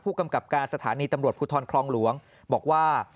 กำกับการสถานีตำรวจภูทรคลองหลวงบอกว่า